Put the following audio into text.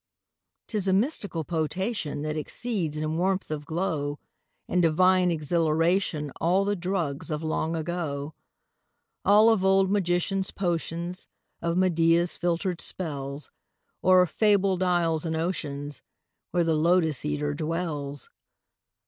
'Tis a mystical potation That exceeds in warmth of glow And divine exhilaration All the drugs of long ago All of old magicians' potions Of Medea's filtered spells Or of fabled isles and oceans Where the Lotos eater dwells!